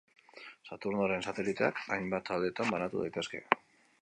Saturnoren sateliteak hainbat taldeetan banatu daitezke.